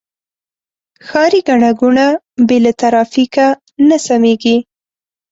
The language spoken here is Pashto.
ښاري ګڼه ګوڼه بې له ترافیکه نه سمېږي.